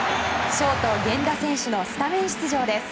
ショート、源田選手のスタメン出場です。